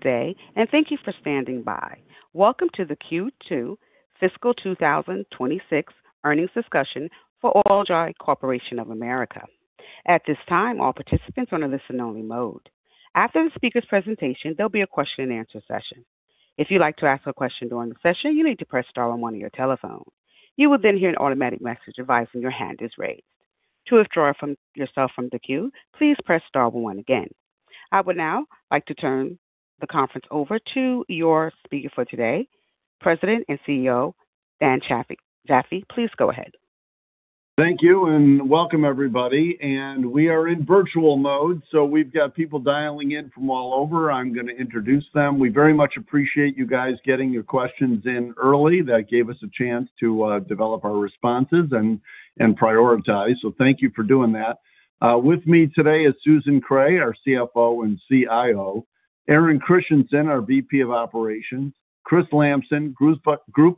Good day, and thank you for standing by. Welcome to the Q2 fiscal 2026 earnings discussion for Oil-Dri Corporation of America. At this time, all participants are in a listen-only mode. After the speaker's presentation, there'll be a question and answer session. If you'd like to ask a question during the session, you need to press star one on your telephone. You will then hear an automatic message advising your hand is raised. To withdraw yourself from the queue, please press star one again. I would now like to turn the conference over to your speaker for today, President and CEO, Dan Jaffee. Jaffee, please go ahead. Thank you and welcome everybody. We are in virtual mode, so we've got people dialing in from all over. I'm going to introduce them. We very much appreciate you guys getting your questions in early. That gave us a chance to develop our responses and prioritize. So thank you for doing that. With me today is Susan Kreh, our CFO and CIO. Aaron Christiansen, our VP of Operations. Chris Lamson, Group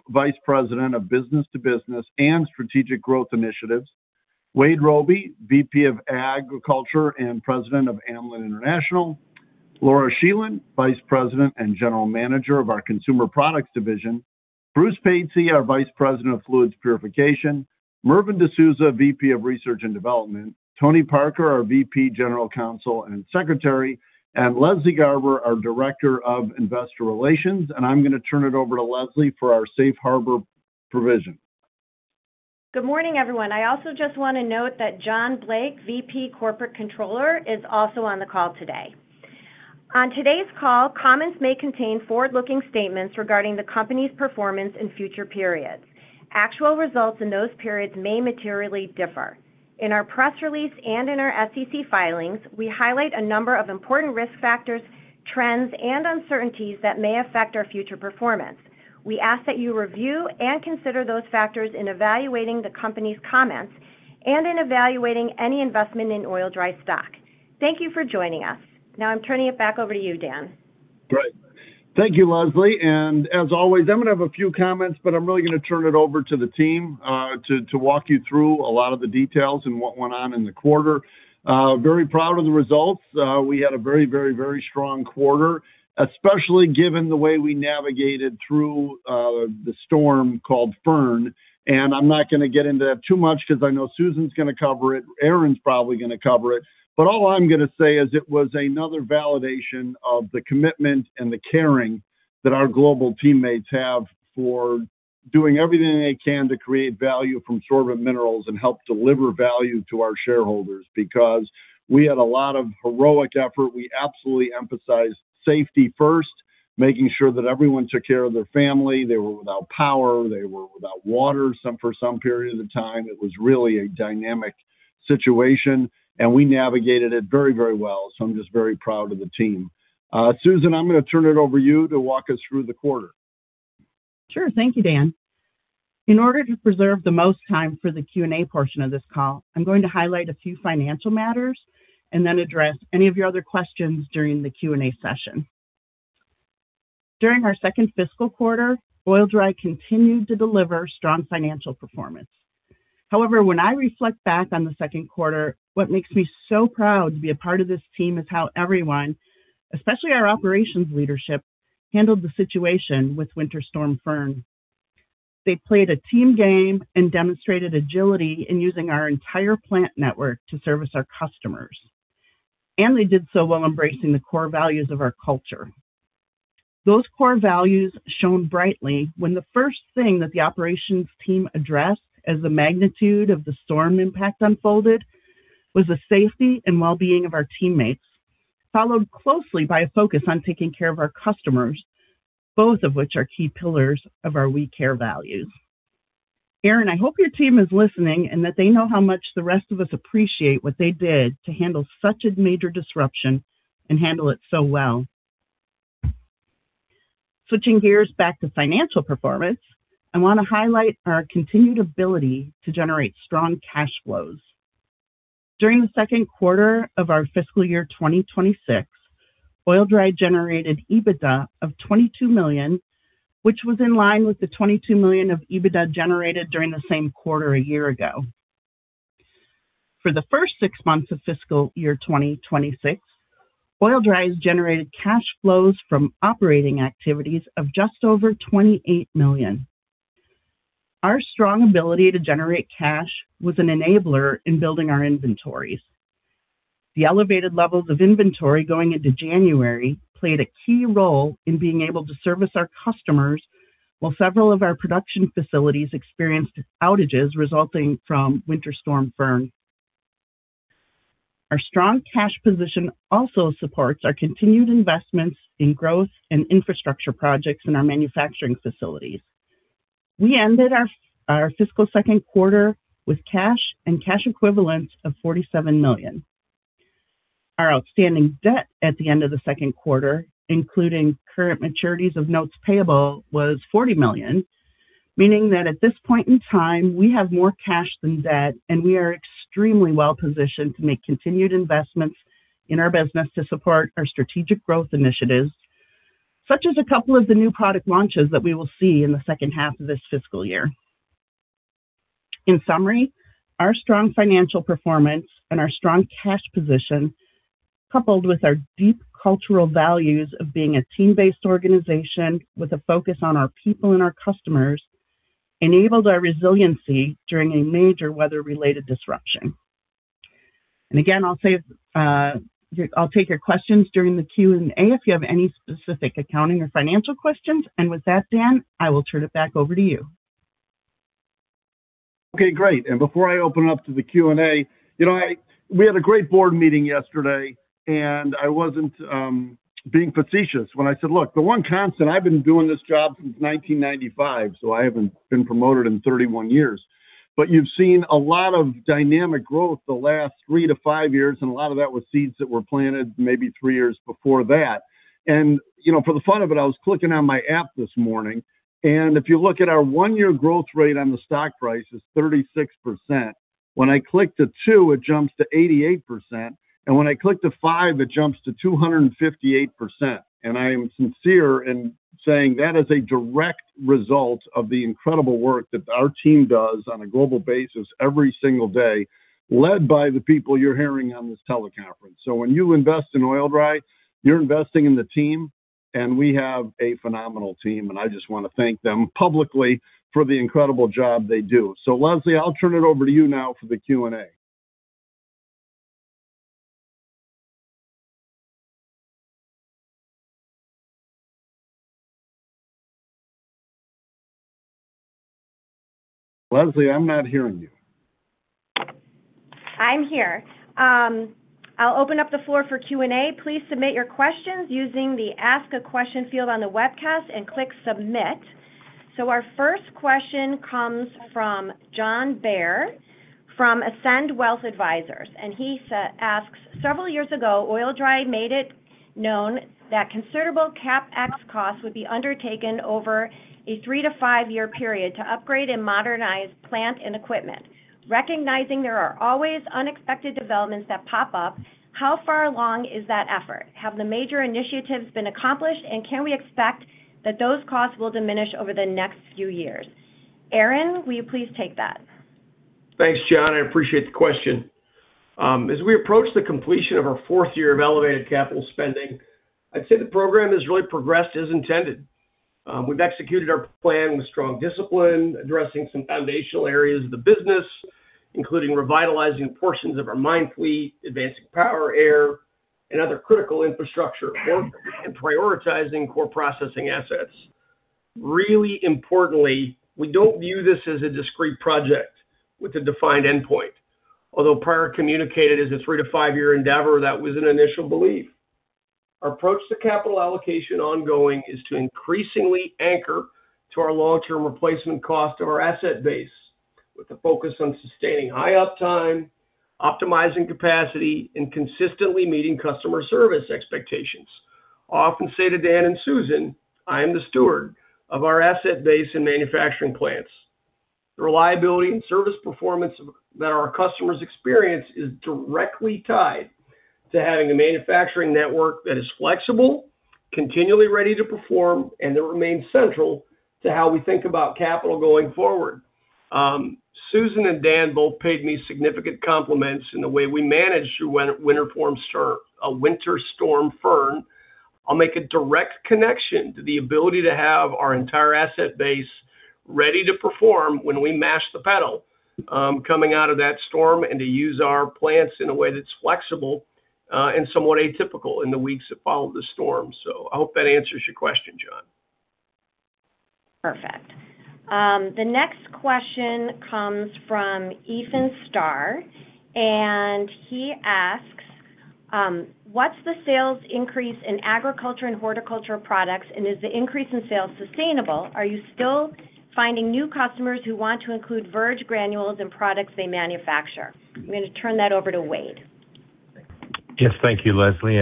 Vice President of Business to Business and Strategic Growth Initiatives. Wade Robey, VP of Agriculture and President of Amlan International. Laura Scheland, Vice President and General Manager of our Consumer Products Division. Bruce Patsey, our Vice President of Fluids Purification. Mervyn de Souza, VP of Research and Development. Tony Parker, our VP, General Counsel and Secretary. Leslie Garber, our Director of Investor Relations. I'm going to turn it over to Leslie for our safe harbor provision. Good morning, everyone. I also just want to note that Jonathan Blake, VP, Corporate Controller, is also on the call today. On today's call, comments may contain forward-looking statements regarding the company's performance in future periods. Actual results in those periods may materially differ. In our press release and in our SEC filings, we highlight a number of important risk factors, trends, and uncertainties that may affect our future performance. We ask that you review and consider those factors in evaluating the company's comments and in evaluating any investment in Oil-Dri's stock. Thank you for joining us. Now I'm turning it back over to you, Dan. Great. Thank you, Leslie. As always, I'm going to have a few comments, but I'm really going to turn it over to the team to walk you through a lot of the details and what went on in the quarter. Very proud of the results. We had a very strong quarter, especially given the way we navigated through the storm called Fern. I'm not going to get into that too much because I know Susan's going to cover it, Aaron's probably going to cover it. All I'm going to say is it was another validation of the commitment and the caring that our global teammates have for doing everything they can to create value from sorbent minerals and help deliver value to our shareholders. We had a lot of heroic effort. We absolutely emphasized safety first, making sure that everyone took care of their family. They were without power. They were without water, some for some period of time. It was really a dynamic situation, and we navigated it very, very well. I'm just very proud of the team. Susan, I'm going to turn it over to you to walk us through the quarter. Sure. Thank you, Dan. In order to preserve the most time for the Q&A portion of this call, I'm going to highlight a few financial matters and then address any of your other questions during the Q&A session. During our second fiscal quarter, Oil-Dri continued to deliver strong financial performance. However, when I reflect back on the second quarter, what makes me so proud to be a part of this team is how everyone, especially our operations leadership, handled the situation with Winter Storm Fern. They played a team game and demonstrated agility in using our entire plant network to service our customers, and they did so while embracing the core values of our culture. Those core values shone brightly when the first thing that the operations team addressed as the magnitude of the storm impact unfolded was the safety and well-being of our teammates, followed closely by a focus on taking care of our customers, both of which are key pillars of our WE CARE values. Aaron, I hope your team is listening and that they know how much the rest of us appreciate what they did to handle such a major disruption and handle it so well. Switching gears back to financial performance, I want to highlight our continued ability to generate strong cash flows. During the second quarter of our fiscal year 2026, Oil-Dri generated EBITDA of $22 million, which was in line with the $22 million of EBITDA generated during the same quarter a year ago. For the first six months of fiscal year 2026, Oil-Dri has generated cash flows from operating activities of just over $28 million. Our strong ability to generate cash was an enabler in building our inventories. The elevated levels of inventory going into January played a key role in being able to service our customers, while several of our production facilities experienced outages resulting from Winter Storm Fern. Our strong cash position also supports our continued investments in growth and infrastructure projects in our manufacturing facilities. We ended our fiscal second quarter with cash and cash equivalents of $47 million. Our outstanding debt at the end of the second quarter, including current maturities of notes payable, was $40 million, meaning that at this point in time we have more cash than debt and we are extremely well positioned to make continued investments in our business to support our strategic growth initiatives, such as a couple of the new product launches that we will see in the second half of this fiscal year. In summary, our strong financial performance and our strong cash position, coupled with our deep cultural values of being a team-based organization with a focus on our people and our customers, enabled our resiliency during a major weather-related disruption. Again, I'll say, I'll take your questions during the Q&A if you have any specific accounting or financial questions. With that, Dan, I will turn it back over to you. Okay, great. Before I open up to the Q&A, you know, we had a great board meeting yesterday, and I wasn't being facetious when I said, look, the one constant I've been doing this job since 1995, so I haven't been promoted in 31 years. You've seen a lot of dynamic growth the last 3-5 years, and a lot of that was seeds that were planted maybe three years before that. You know, for the fun of it, I was clicking on my app this morning, and if you look at our one-year growth rate on the stock price is 36%. When I click to two, it jumps to 88%. When I click to five, it jumps to 258%. I am sincere in saying that is a direct result of the incredible work that our team does on a global basis every single day, led by the people you're hearing on this teleconference. When you invest in Oil-Dri, you're investing in the team, and we have a phenomenal team, and I just want to thank them publicly for the incredible job they do. Leslie, I'll turn it over to you now for the Q&A. Leslie, I'm not hearing you. I'm here. I'll open up the floor for Q&A. Please submit your questions using the Ask a Question field on the webcast and click Submit. Our first question comes from John Baer from Ascend Wealth Advisors, and he asks, "Several years ago, Oil-Dri made it known that considerable CapEx costs would be undertaken over a three to five year period to upgrade and modernize plant and equipment. Recognizing there are always unexpected developments that pop up, how far along is that effort? Have the major initiatives been accomplished, and can we expect that those costs will diminish over the next few years?" Aaron, will you please take that? Thanks, John. I appreciate the question. As we approach the completion of our fourth year of elevated capital spending, I'd say the program has really progressed as intended. We've executed our plan with strong discipline, addressing some foundational areas of the business, including revitalizing portions of our mine fleet, advancing power, air, and other critical infrastructure work, and prioritizing core processing assets. Really importantly, we don't view this as a discrete project with a defined endpoint. Although prior communicated as a 3-5-year endeavor, that was an initial belief. Our approach to capital allocation ongoing is to increasingly anchor to our long-term replacement cost of our asset base with a focus on sustaining high uptime, optimizing capacity, and consistently meeting customer service expectations. I often say to Dan and Susan, I am the steward of our asset base and manufacturing plants. The reliability and service performance that our customers experience is directly tied to having a manufacturing network that is flexible, continually ready to perform, and that remains central to how we think about capital going forward. Susan and Dan both paid me significant compliments in the way we managed through winter storm Fern. I'll make a direct connection to the ability to have our entire asset base ready to perform when we mash the pedal, coming out of that storm and to use our plants in a way that's flexible, and somewhat atypical in the weeks that followed the storm. I hope that answers your question, John. Perfect. The next question comes from Ethan Starr, and he asks, "What's the sales increase in agriculture and horticulture products, and is the increase in sales sustainable? Are you still finding new customers who want to include Verge granules in products they manufacture?" I'm going to turn that over to Wade. Yes. Thank you, Leslie.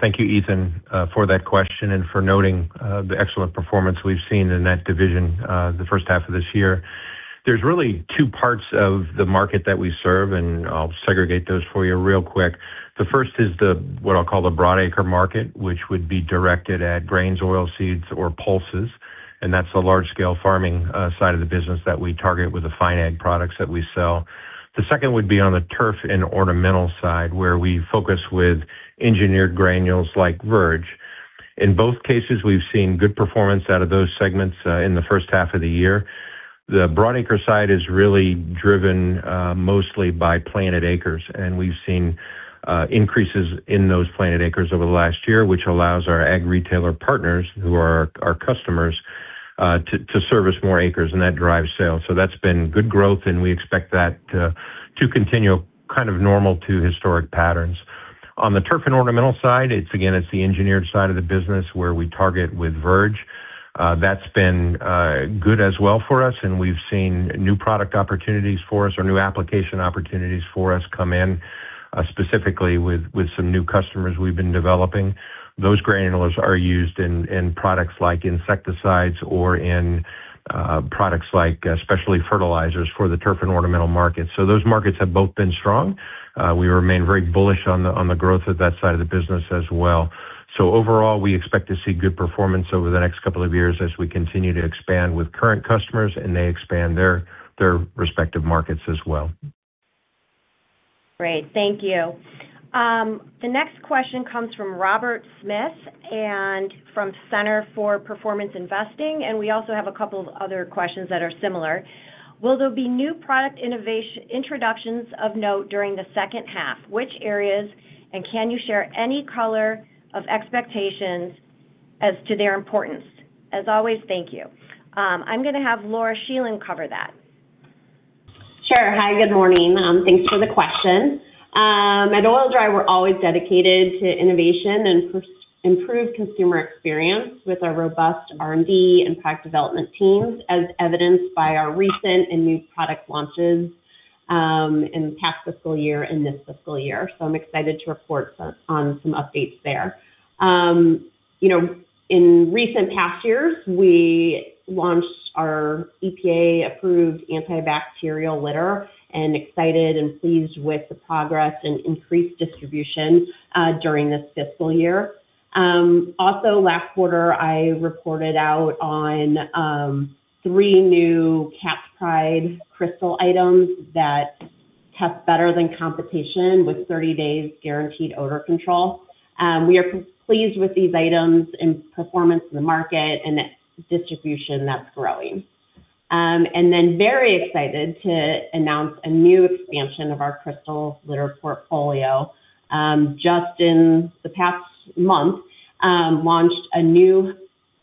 Thank you, Ethan, for that question and for noting the excellent performance we've seen in that division, the first half of this year. There's really two parts of the market that we serve, and I'll segregate those for you real quick. The first is the, what I'll call the broad acre market, which would be directed at grains, oilseeds or pulses, and that's the large scale farming side of the business that we target with the fine ag products that we sell. The second would be on the turf and ornamental side, where we focus with engineered granules like Verge. In both cases, we've seen good performance out of those segments, in the first half of the year. The broad acre side is really driven, mostly by planted acres, and we've seen increases in those planted acres over the last year, which allows our ag retailer partners, who are our customers, to service more acres, and that drives sales. That's been good growth, and we expect that to continue kind of normal to historic patterns. On the turf and ornamental side, it's again the engineered side of the business where we target with Verge. That's been good as well for us, and we've seen new product opportunities for us or new application opportunities for us come in, specifically with some new customers we've been developing. Those granules are used in products like insecticides or in products like specialty fertilizers for the turf and ornamental markets. Those markets have both been strong. We remain very bullish on the growth of that side of the business as well. Overall, we expect to see good performance over the next couple of years as we continue to expand with current customers and they expand their respective markets as well. Great. Thank you. The next question comes from Robert Smith from Center for Performance Investing, and we also have a couple of other questions that are similar. Will there be new product introductions of note during the second half? Which areas, and can you share any color of expectations as to their importance? As always, thank you. I'm going to have Laura Scheland cover that. Sure. Hi, good morning. Thanks for the question. At Oil-Dri, we're always dedicated to innovation and improved consumer experience with our robust R&D and product development teams, as evidenced by our recent and new product launches in the past fiscal year and this fiscal year. I'm excited to report some updates there. You know, in recent past years, we launched our EPA-approved antibacterial litter and excited and pleased with the progress and increased distribution during this fiscal year. Also last quarter, I reported out on three new Cat's Pride Crystal items that test better than competition with 30 days guaranteed odor control. We are pleased with these items and performance in the market and the distribution that's growing. Very excited to announce a new expansion of our Crystal litter portfolio. Just in the past month, launched a new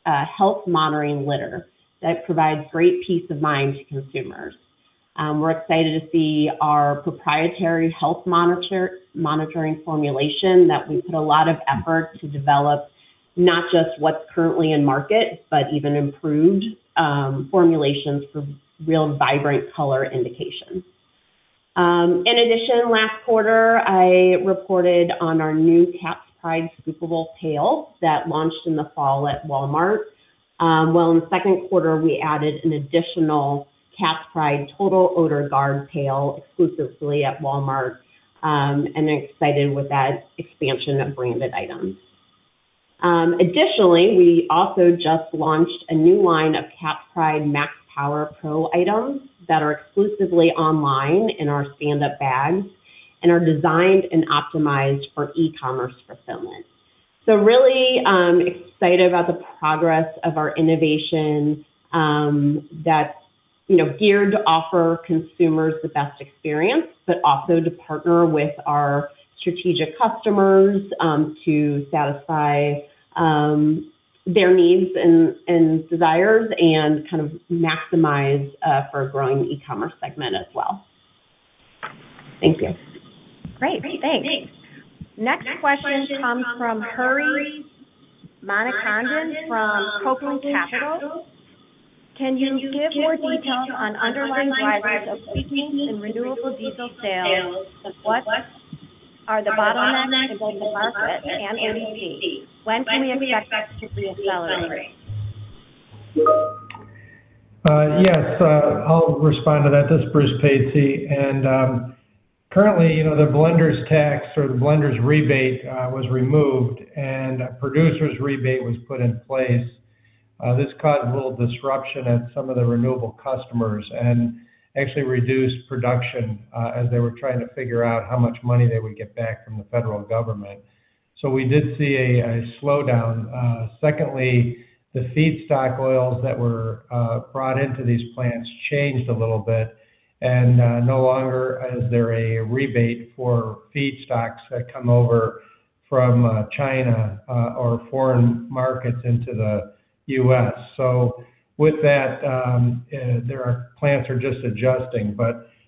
health monitoring litter that provides great peace of mind to consumers. We're excited to see our proprietary health monitoring formulation that we put a lot of effort to develop not just what's currently in market, but even improved formulations for real vibrant color indication. In addition, last quarter, I reported on our new Cat's Pride Scoopable Pail that launched in the fall at Walmart. Well, in the second quarter, we added an additional Cat's Pride Total Odor Guard Pail exclusively at Walmart, and excited with that expansion of branded items. Additionally, we also just launched a new line of Cat's Pride Max Power Pro items that are exclusively online in our standup bags and are designed and optimized for e-commerce fulfillment. Really excited about the progress of our innovation, that's, you know, geared to offer consumers the best experience, but also to partner with our strategic customers to satisfy their needs and desires and kind of maximize for a growing e-commerce segment as well. Thank you. Great. Thanks. Next question comes from Hari Manikandan from Copeland Capital Management. Can you give more details on underlying drivers of weakness in renewable diesel sales? What are the bottlenecks to both capacity and EPC? When can we expect it to reaccelerate? Yes, I'll respond to that. This is Bruce Patsey. Currently, you know, the Blender's tax or the Blender's rebate was removed and a producer's rebate was put in place. This caused a little disruption at some of the renewable customers and actually reduced production as they were trying to figure out how much money they would get back from the federal government. We did see a slowdown. Secondly, the feedstock oils that were brought into these plants changed a little bit, and no longer is there a rebate for feedstocks that come over from China or foreign markets into the U.S. With that, their plants are just adjusting.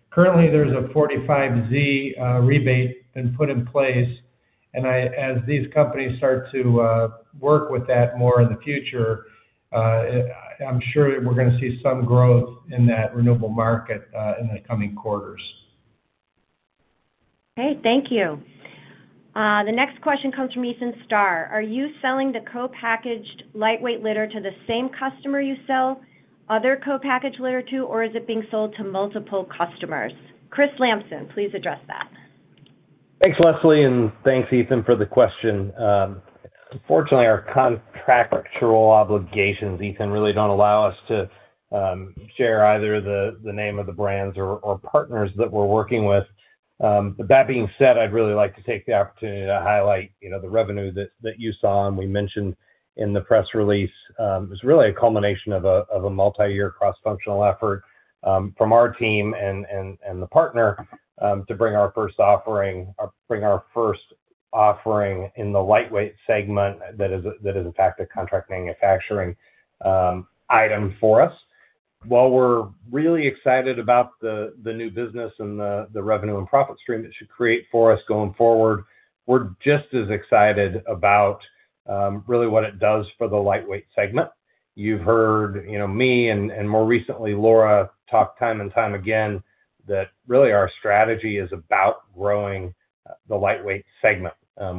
Currently, there's a 45Z rebate been put in place, and as these companies start to work with that more in the future, I'm sure we're going to see some growth in that renewable market in the coming quarters. Great. Thank you. The next question comes from Ethan Starr. Are you selling the co-packaged lightweight litter to the same customer you sell other co-packaged litter to, or is it being sold to multiple customers? Christopher Lamson, please address that. Thanks, Leslie, and thanks, Ethan, for the question. Unfortunately, our contractual obligations, Ethan, really don't allow us to share either the name of the brands or partners that we're working with. But that being said, I'd really like to take the opportunity to highlight the revenue that you saw and we mentioned in the press release is really a culmination of a multi-year cross-functional effort from our team and the partner. To bring our first offering in the lightweight segment that is, in fact, a contract manufacturing item for us. While we're really excited about the new business and the revenue and profit stream it should create for us going forward, we're just as excited about really what it does for the lightweight segment. You've heard me and more recently, Laura, talk time and time again that really our strategy is about growing. The lightweight segment.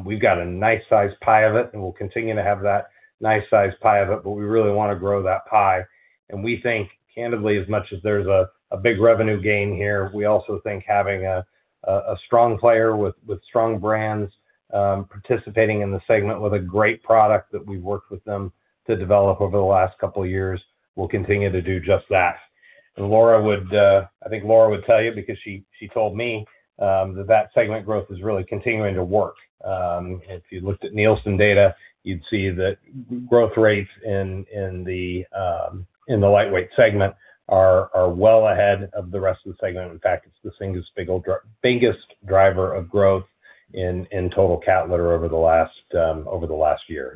We've got a nice sized pie of it, and we'll continue to have that nice sized pie of it, but we really want to grow that pie. We think, candidly, as much as there's a big revenue gain here, we also think having a strong player with strong brands participating in the segment with a great product that we've worked with them to develop over the last couple of years will continue to do just that. Laura would, I think Laura would tell you because she told me that that segment growth is really continuing to work. If you looked at Nielsen data, you'd see that growth rates in the lightweight segment are well ahead of the rest of the segment. In fact, it's the single biggest driver of growth in total cat litter over the last year.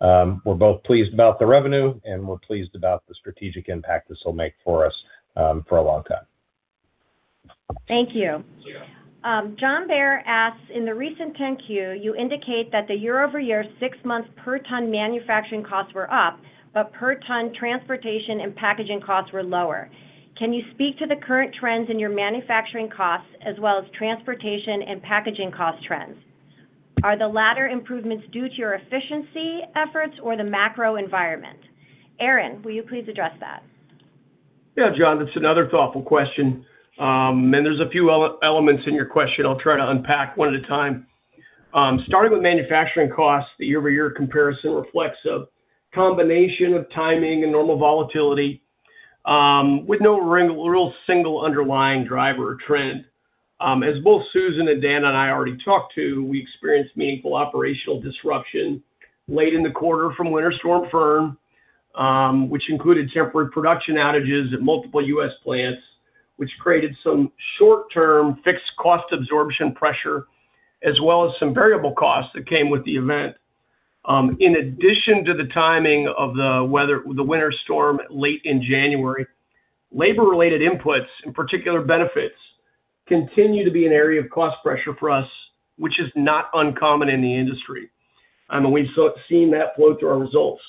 We're both pleased about the revenue, and we're pleased about the strategic impact this will make for us for a long time. Thank you. Yeah. John Baer asks, "In the recent 10-Q, you indicate that the year-over-year six month per ton manufacturing costs were up, but per ton transportation and packaging costs were lower. Can you speak to the current trends in your manufacturing costs as well as transportation and packaging cost trends? Are the latter improvements due to your efficiency efforts or the macro environment?" Aaron, will you please address that? Yeah, John, that's another thoughtful question. There's a few elements in your question I'll try to unpack one at a time. Starting with manufacturing costs, the year-over-year comparison reflects a combination of timing and normal volatility, with no real single underlying driver or trend. As both Susan and Dan and I already talked to. We experienced meaningful operational disruption late in the quarter from Winter Storm Fern, which included temporary production outages at multiple U.S. plants, which created some short-term fixed cost absorption pressure, as well as some variable costs that came with the event. In addition to the timing of the weather, the winter storm late in January, labor-related inputs, in particular benefits, continue to be an area of cost pressure for us, which is not uncommon in the industry. I mean, we've seen that flow through our results.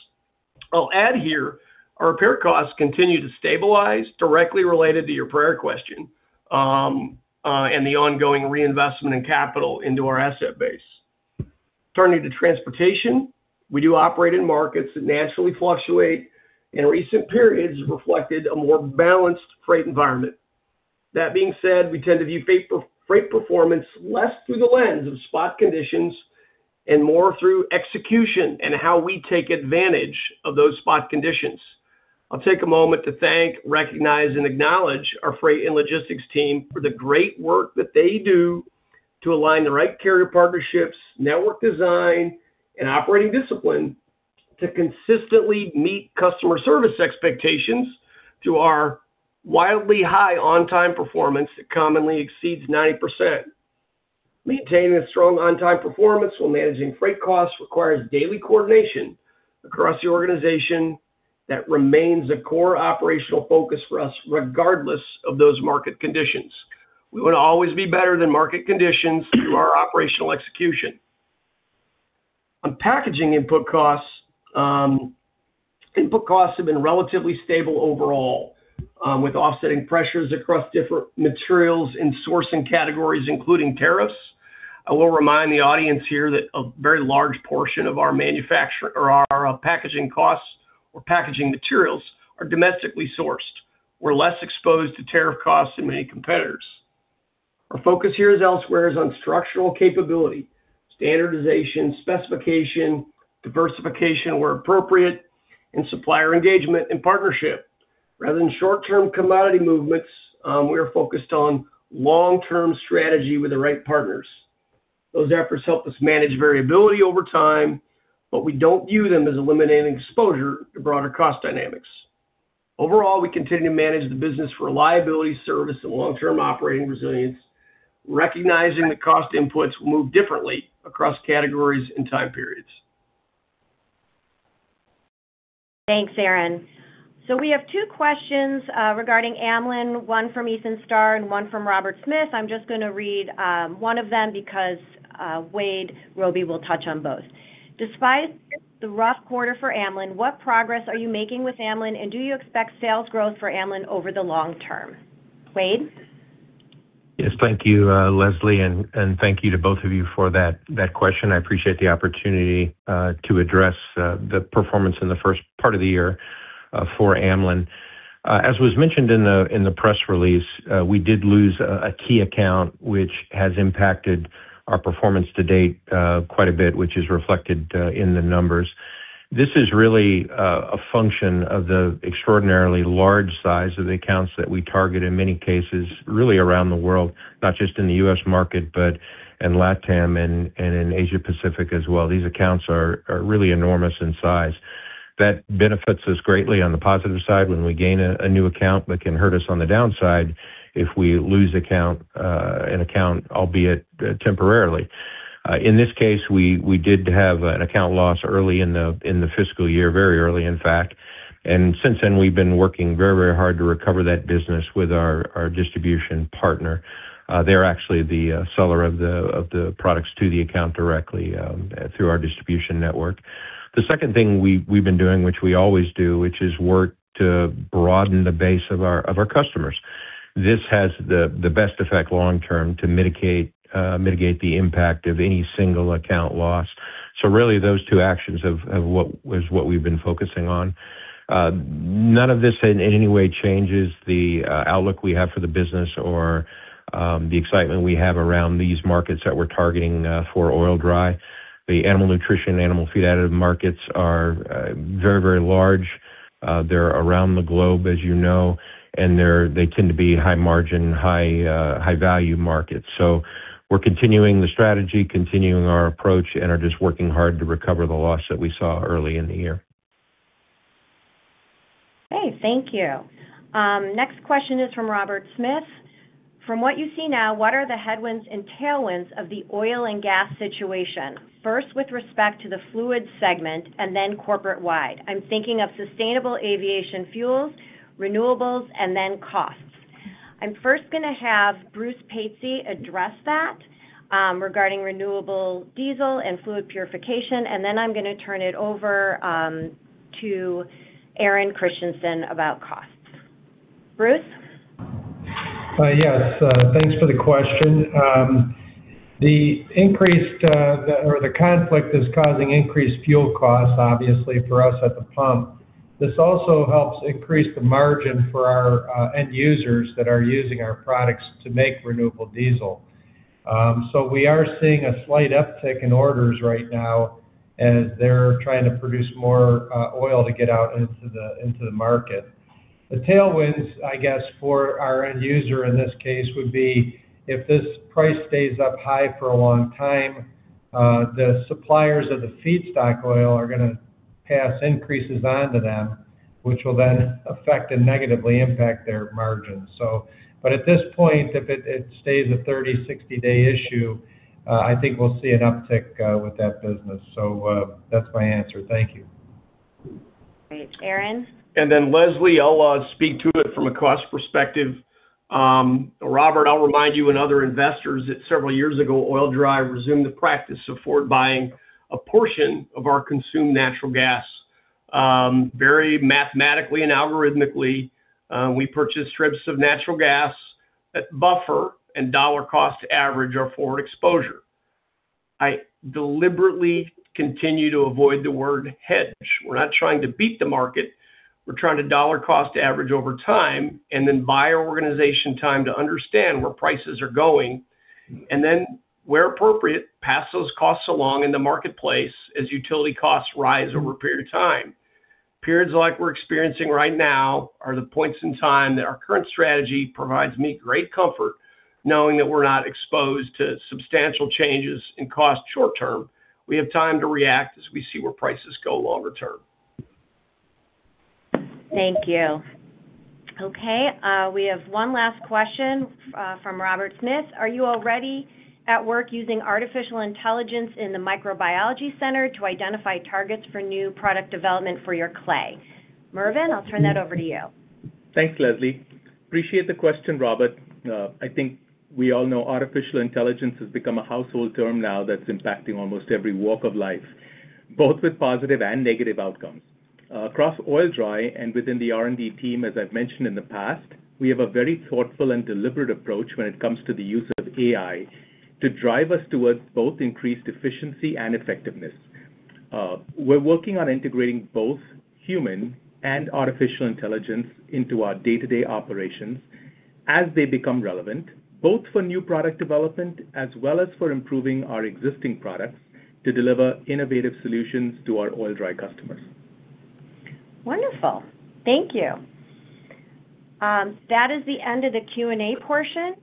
I'll add here, our repair costs continue to stabilize directly related to your prior question, and the ongoing reinvestment in capital into our asset base. Turning to transportation, we do operate in markets that naturally fluctuate, and recent periods reflected a more balanced freight environment. That being said, we tend to view freight per-freight performance less through the lens of spot conditions and more through execution and how we take advantage of those spot conditions. I'll take a moment to thank, recognize, and acknowledge our freight and logistics team for the great work that they do to align the right carrier partnerships, network design, and operating discipline to consistently meet customer service expectations to our wildly high on-time performance that commonly exceeds 90%. Maintaining a strong on-time performance while managing freight costs requires daily coordination across the organization that remains a core operational focus for us regardless of those market conditions. We want to always be better than market conditions through our operational execution. On packaging input costs, input costs have been relatively stable overall, with offsetting pressures across different materials and sourcing categories, including tariffs. I will remind the audience here that a very large portion of our manufacture or our packaging costs or packaging materials are domestically sourced. We're less exposed to tariff costs than many competitors. Our focus here as elsewhere is on structural capability, standardization, specification, diversification, where appropriate, and supplier engagement and partnership. Rather than short-term commodity movements, we are focused on long-term strategy with the right partners. Those efforts help us manage variability over time, but we don't view them as eliminating exposure to broader cost dynamics. Overall, we continue to manage the business for reliability, service, and long-term operating resilience, recognizing that cost inputs will move differently across categories and time periods. Thanks, Aaron. We have two questions regarding Amlan, one from Ethan Starr and one from Robert Smith. I'm just going to read one of them because Wade Robey will touch on both. Despite the rough quarter for Amlan, what progress are you making with Amlan, and do you expect sales growth for Amlan over the long term? Wade? Yes, thank you, Leslie, and thank you to both of you for that question. I appreciate the opportunity to address the performance in the first part of the year for Amlan. As was mentioned in the press release, we did lose a key account which has impacted our performance to date quite a bit, which is reflected in the numbers. This is really a function of the extraordinarily large size of the accounts that we target in many cases, really around the world, not just in the U.S. market, but in LatAm and in Asia Pacific as well. These accounts are really enormous in size. That benefits us greatly on the positive side when we gain a new account, but can hurt us on the downside if we lose an account, albeit temporarily. In this case, we did have an account loss early in the fiscal year, very early, in fact. Since then, we've been working very hard to recover that business with our distribution partner. They're actually the seller of the products to the account directly through our distribution network. The second thing we've been doing, which we always do, which is work to broaden the base of our customers. This has the best effect long term to mitigate the impact of any single account loss. Really those two actions is what we've been focusing on. None of this in any way changes the outlook we have for the business or the excitement we have around these markets that we're targeting for Oil-Dri. The animal nutrition, animal feed additive markets are very, very large. They're around the globe, as you know, and they tend to be high margin, high-value markets. We're continuing the strategy, continuing our approach, and are just working hard to recover the loss that we saw early in the year. Okay, thank you. Next question is from Robert Smith. From what you see now, what are the headwinds and tailwinds of the oil and gas situation, first with respect to the fluid segment and then corporate-wide? I'm thinking of sustainable aviation fuels, renewables, and then costs. I'm first going to have Bruce Patsey address that, regarding renewable diesel and fluid purification, and then I'm going to turn it over to Aaron Christiansen about costs. Bruce? Yes, thanks for the question. The conflict is causing increased fuel costs, obviously, for us at the pump. This also helps increase the margin for our end users that are using our products to make renewable diesel. We are seeing a slight uptick in orders right now as they're trying to produce more oil to get out into the market. The tailwinds, I guess, for our end user in this case would be if this price stays up high for a long time, the suppliers of the feedstock oil are going to pass increases on to them, which will then affect and negatively impact their margins. At this point, if it stays a 30-60-day issue, I think we'll see an uptick with that business. That's my answer. Thank you. Great. Aaron? Leslie, I'll speak to it from a cost perspective. Robert, I'll remind you and other investors that several years ago, Oil-Dri resumed the practice of forward buying a portion of our consumed natural gas, very mathematically and algorithmically. We purchased strips of natural gas that buffer and dollar cost average our forward exposure. I deliberately continue to avoid the word hedge. We're not trying to beat the market. We're trying to dollar cost average over time and then buy our organization time to understand where prices are going. Where appropriate, pass those costs along in the marketplace as utility costs rise over a period of time. Periods like we're experiencing right now are the points in time that our current strategy provides me great comfort, knowing that we're not exposed to substantial changes in cost short term. We have time to react as we see where prices go longer term. Thank you. Okay, we have one last question from Robert Smith. Are you already at work using artificial intelligence in the microbiology center to identify targets for new product development for your clay? Mervyn, I'll turn that over to you. Thanks, Leslie. Appreciate the question, Robert. I think we all know artificial intelligence has become a household term now that's impacting almost every walk of life, both with positive and negative outcomes. Across Oil-Dri and within the R&D team, as I've mentioned in the past, we have a very thoughtful and deliberate approach when it comes to the use of AI to drive us towards both increased efficiency and effectiveness. We're working on integrating both human and artificial intelligence into our day-to-day operations as they become relevant, both for new product development as well as for improving our existing products to deliver innovative solutions to our Oil-Dri customers. Wonderful. Thank you. That is the end of the Q&A portion.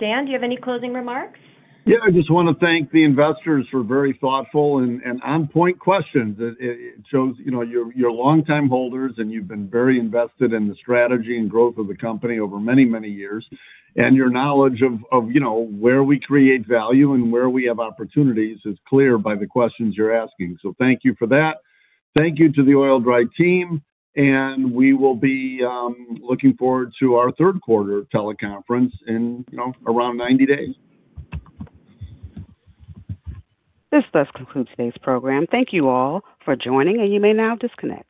Dan, do you have any closing remarks? Yeah. I just want to thank the investors for very thoughtful and on-point questions. It shows you're longtime holders, and you've been very invested in the strategy and growth of the company over many, many years. Your knowledge of where we create value and where we have opportunities is clear by the questions you're asking. So thank you for that. Thank you to the Oil-Dri team, and we will be looking forward to our third quarter teleconference in, you know, around 90 days. This does conclude today's program. Thank you all for joining, and you may now disconnect.